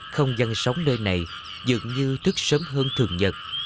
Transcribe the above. không gian sống nơi này dường như thức sớm hơn thường nhật